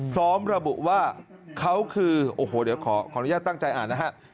พร้อมระบุว่าเขาคือโอ้โหเดี๋ยวขออนุญาตตั้งใจอ่านนะฮะ